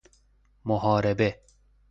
محاربه